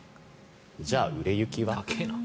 じゃあ、売れ行きは？